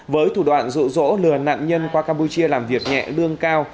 với thủ đoạn rụ rỗ lừa nạn nhân qua campuchia làm việc nhẹ lương cao